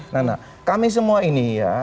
nah kami semua ini ya